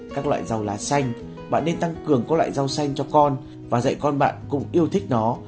các loại rau lá xanh bạn nên tăng cường các loại rau xanh cho con và dạy con bạn cùng yêu thích nó